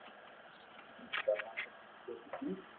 ھون تمارو سب ڪجھ ھون